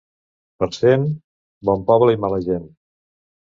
Parcent, bon poble i mala gent.